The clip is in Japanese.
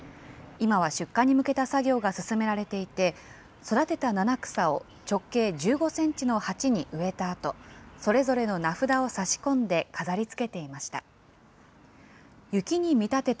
今は出荷に向けた作業が進められていて、育てた七草を直径１５センチの鉢に植えたあと、それぞれの名札を差し込んで飾りつけていました。